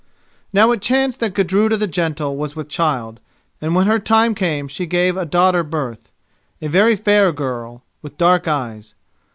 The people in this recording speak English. Now it chanced that Gudruda the Gentle was with child, and when her time came she gave a daughter birth—a very fair girl, with dark eyes.